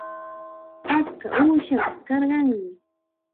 Achka uushanpis karqanmi.